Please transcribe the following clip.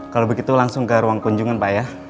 kalau begitu langsung ke ruang kunjungan pak ya